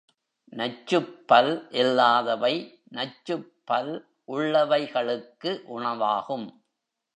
நச்சுப்பல் இல்லாதவை நச்சுப்பல் உள்ளவைகளுக்கு உணவாகும்.